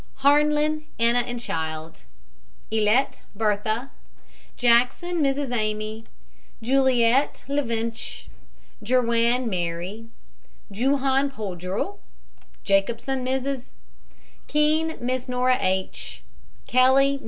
HARNLIN, ANNA, and Child ILETT, BERTHA. JACKSON, MRS. AMY. JULIET, LUVCHE. JERWAN, MARY. JUHON, PODRO. JACOBSON, MRS. KEANE, MISS NORA H. KELLY, MRS.